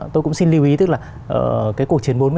tôi cũng xin lưu ý tức là